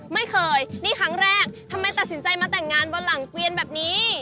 ไม่เคยนี่ครั้งแรกทำไมตัดสินใจมาแต่งงานบนหลังเกวียนแบบนี้